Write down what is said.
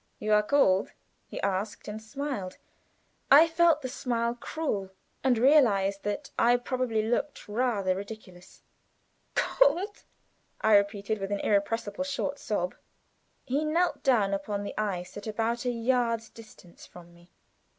"You are cold?" he asked, and smiled. I felt the smile cruel; and realized that I probably looked rather ludicrous. "Cold!" I repeated, with an irrepressible short sob. He knelt down upon the ice at about a yard's distance from me.